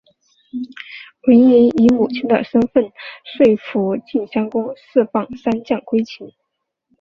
文嬴以母亲的身分说服晋襄公释放三将归秦。